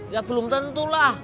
ya belum tentulah